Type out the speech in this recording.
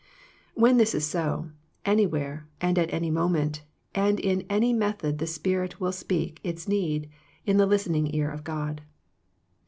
When this~isrsb, anywhere, and at any moment, and in any method the spirit will speak its need in the listening ear of God.